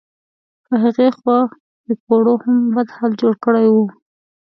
په هغې خوا پیکوړو هم بد حال جوړ کړی و.